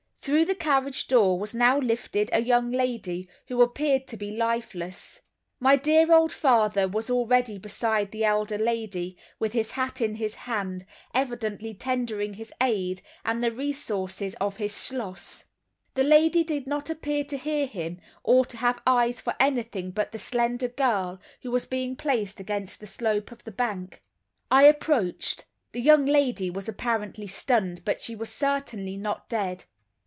Through the carriage door was now lifted a young lady, who appeared to be lifeless. My dear old father was already beside the elder lady, with his hat in his hand, evidently tendering his aid and the resources of his schloss. The lady did not appear to hear him, or to have eyes for anything but the slender girl who was being placed against the slope of the bank. I approached; the young lady was apparently stunned, but she was certainly not dead.